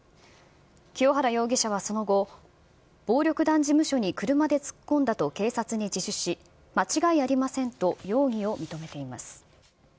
清原容疑者はその後、暴力団事務所に車で突っ込んだと警察に自首し、間違いありませんと容疑を認めています。